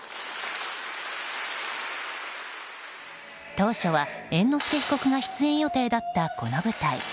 当初は、猿之助被告が出演予定だったこの舞台。